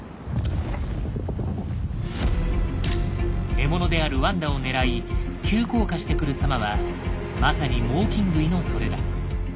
獲物であるワンダを狙い急降下してくる様はまさに猛きん類のそれだ。